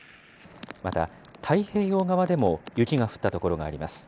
また、太平洋側でも雪が降った所があります。